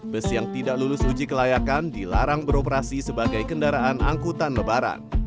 bus yang tidak lulus uji kelayakan dilarang beroperasi sebagai kendaraan angkutan lebaran